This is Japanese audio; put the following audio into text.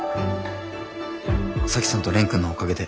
沙樹さんと蓮くんのおかげで。